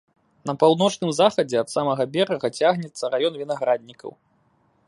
На паўночным захадзе ад самага берага цягнецца раён вінаграднікаў.